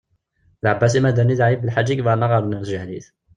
D ɛebbasi Madani d ɛli Benḥaǧ i yebɣan ad aɣ-erren ar tijehlit.